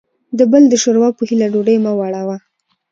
دبل دشوروا په هیله ډوډۍ مه وړه وه